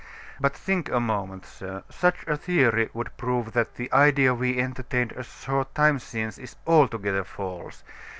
But think a moment, sir, such a theory would prove that the idea we entertained a short time since is altogether false.